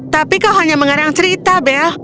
tapi kau hanya mengarang cerita bel